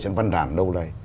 trong văn đàn lâu nay